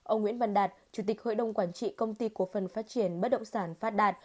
ông nguyễn văn đạt chủ tịch hội đồng quản trị công ty cổ phần phát triển bất động sản phát đạt